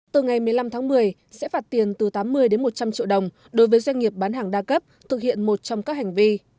từ ngày một mươi năm tháng một mươi sẽ phạt tiền từ tám mươi đến một trăm linh triệu đồng đối với doanh nghiệp bán hàng đa cấp thực hiện một trong các hành vi